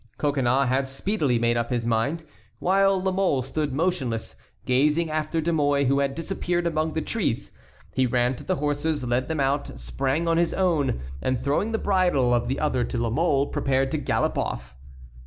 Coconnas had speedily made up his mind. While La Mole stood motionless, gazing after De Mouy, who had disappeared among the trees, he ran to the horses, led them out, sprang on his own, and, throwing the bridle of the other to La Mole, prepared to gallop off.